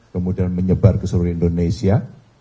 kemudian menyebar ke seluruh indonesia